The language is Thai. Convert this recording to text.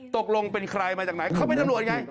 ตกลงเป็นใครมาจากไหนเขาเป็นตำรวจไง